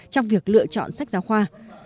trong việc lựa chọn sách giáo khoa